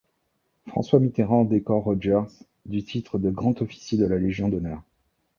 François Mitterrand décore Rodgers du titre de Grand officier de la Légion d'honneur.